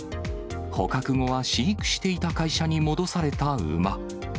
捕獲後は飼育していた会社に戻された馬。